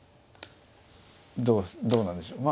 どうなんでしょう。